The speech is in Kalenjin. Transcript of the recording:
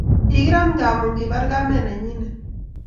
Kikirat ngamu kibar kamet ne nyinet